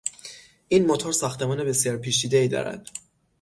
این موتور ساختمان بسیار پیچیدهای دارد.